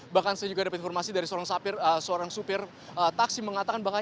bahkan saya juga dapat informasi dari seorang supir taksi mengatakan